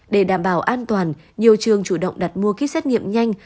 để đảm bảo an toàn nhiều trường chủ động đặt mua kýt xét nghiệm nhanh